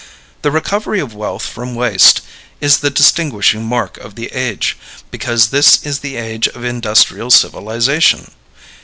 The recovery of wealth from waste is the distinguishing mark of the age, because this is the age of industrial civilization.